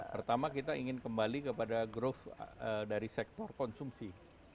pertama kita ingin kembali kepada growth dari sektor konsumsi